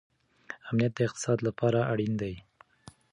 امنیت د اقتصاد لپاره اړین دی.